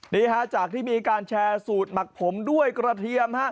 นี่ฮะจากที่มีการแชร์สูตรหมักผมด้วยกระเทียม